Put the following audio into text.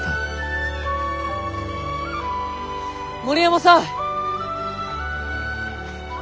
森山さん！